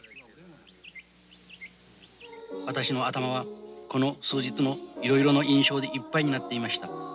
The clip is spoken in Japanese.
私の頭はこの数日のいろいろの印象でいっぱいになっていました。